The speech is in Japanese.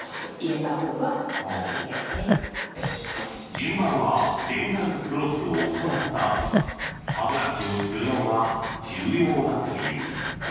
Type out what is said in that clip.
順番はデンタルフロスを行ったあと歯ブラシをするのが重要だという。